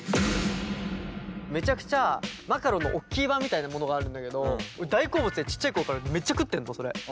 めちゃくちゃマカロンのおっきい版みたいなものがあるんだけど俺大好物でちっちゃい頃からめっちゃ食ってんのそれ。